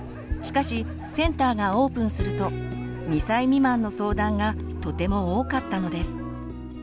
しかしセンターがオープンすると２歳未満の相談がとても多かったのです。